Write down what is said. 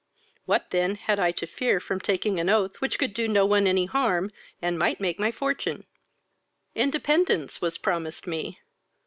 What then had I to fear from taking an oath which could do no one any harm, and might make my fortune? Independence was promised me.